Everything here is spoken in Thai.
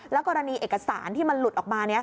กรณีเอกสารที่มันหลุดออกมา